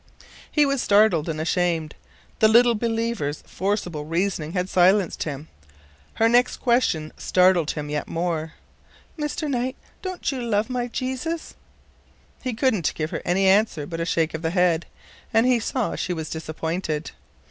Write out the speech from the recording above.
He was startled and ashamed. The little believer's forcible reasoning had silenced him. Her next question startled him yet more. "Mr. Knight, don't you love my Jesus?" He couldn't give her any answer but a shake of the head, and he saw she was disappointed.